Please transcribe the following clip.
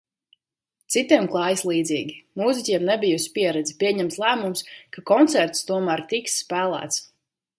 Citiem klājas līdzīgi. Mūziķiem nebijusi pieredze – pieņemts lēmums, ka koncerts tomēr tiks spēlēts.